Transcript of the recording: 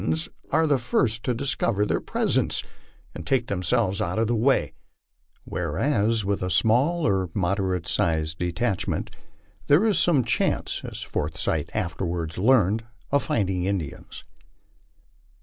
89 are the first to discover their presence and take themselves cut of the way; whereas with a small or moderate sized detachment there is some chance, as Forsyth afterwards learned, of finding Indians.